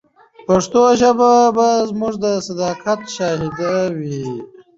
پښتو ژبه به زموږ د صداقت شاهده وي.